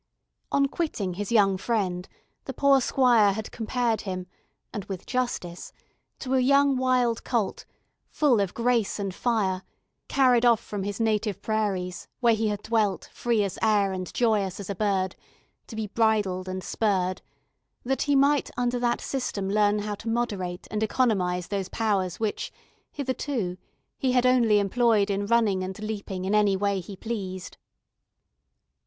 On quitting his young friend, the poor squire had compared him, and with justice, to a young wild colt, full of grace and fire, carried off from his native prairies, where he had dwelt, free as air, and joyous as a bird, to be bridled and spurred, that he might under that system learn how to moderate and economise those powers which, hitherto, he had only employed in running and leaping in any way he pleased.